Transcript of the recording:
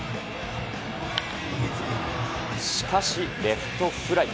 しかしレフトフライ。